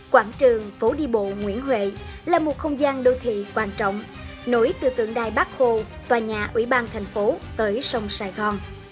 quảng trường phố đi bộ nguyễn huệ là một không gian đô thị quan trọng nối từ tượng đài bắc hồ tòa nhà ủy ban thành phố tới sông sài gòn